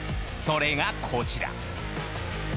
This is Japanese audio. それがこちら。